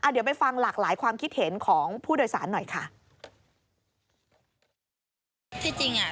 เดี๋ยวไปฟังหลากหลายความคิดเห็นของผู้โดยสารหน่อยค่ะ